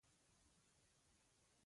بهلول په ځواب کې وویل: ته لاړ شه.